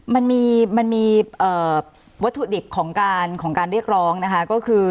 มันมีมันมีวัตถุดิบของการเรียกร้องนะคะก็คือ